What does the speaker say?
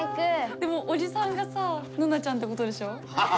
でもおじさんがさヌナちゃんってことでしょ。